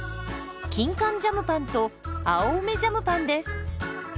キンカンジャムパンと青梅ジャムパンです。